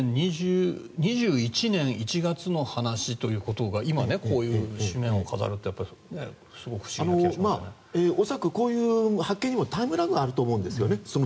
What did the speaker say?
２１年１月の話というのが今、こういう紙面を飾るって恐らく、こういう発見にもタイムラグがあると思うんです。